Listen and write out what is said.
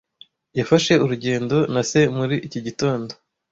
Yafashe urugendo na se muri iki gitondo.